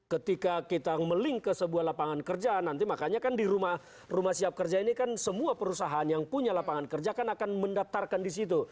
ketika kita melink ke sebuah lapangan kerja nanti makanya kan di rumah siap kerja ini kan semua perusahaan yang punya lapangan kerja kan akan mendaftarkan di situ